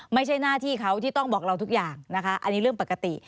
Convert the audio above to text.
ไม่ใช่หน้าที่เขาที่ต้องบอกเราทุกอย่างนะคะอันนี้เรื่องปกติ